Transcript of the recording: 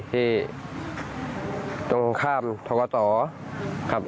ที่ตรงข้ามทกตครับ